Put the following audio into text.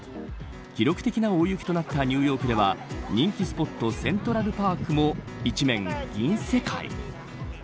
記録的な大雪となったニューヨークでは人気スポットセントラルパークも一面、銀世界。